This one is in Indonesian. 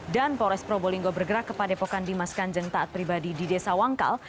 dan polres probolinggo bergerak kepada epokan dimas kanjeng taat pribadi di desa wangkal